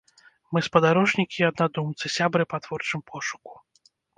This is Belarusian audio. Мы спадарожнікі і аднадумцы, сябры па творчым пошуку.